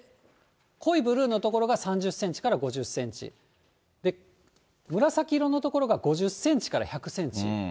濃いブルーの所が、３０センチから５０センチ、紫色の所が５０センチから１００センチ。